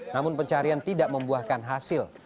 namun pencarian tidak membuahkan hasil